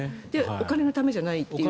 お金のためじゃないという。